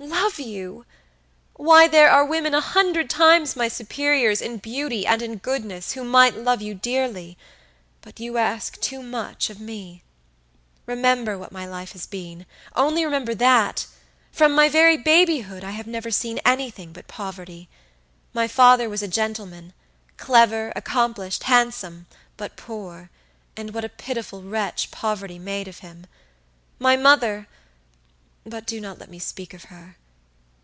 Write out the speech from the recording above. Love you! Why, there are women a hundred times my superiors in beauty and in goodness who might love you dearly; but you ask too much of me! Remember what my life has been; only remember that! From my very babyhood I have never seen anything but poverty. My father was a gentleman: clever, accomplished, handsomebut poorand what a pitiful wretch poverty made of him! My motherBut do not let me speak of her.